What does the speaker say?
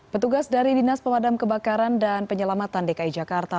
petugas dari dinas pemadam kebakaran dan penyelamatan dki jakarta